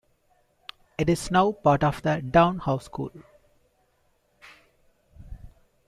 It is now part of Downe House School.